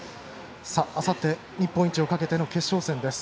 あさって日本一をかけての決勝戦です。